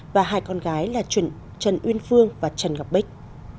và hai con gái là trần uyên phương và trần ngọc bích